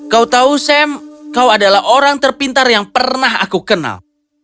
kau tahu sam kau adalah orang terpintar yang pernah aku kenal